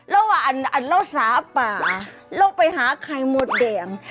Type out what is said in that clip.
แล้วว่าอันเล่าสาป่าเราไปหาไข่มดแดง